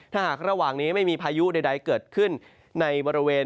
ถ้าหากระหว่างนี้ไม่มีพายุใดเกิดขึ้นในบริเวณ